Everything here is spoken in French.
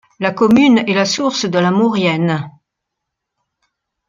La commune est la source de la Maurienne.